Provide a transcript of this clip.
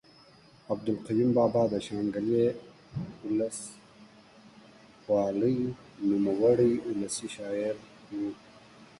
عبدالقیوم بابا د شانګلې اولس والۍ نوموړے اولسي شاعر ؤ